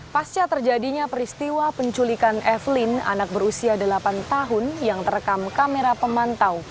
pasca terjadinya peristiwa penculikan evelyn anak berusia delapan tahun yang terekam kamera pemantau